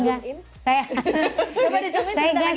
coba dicombin sebentar lagi silahkan keluar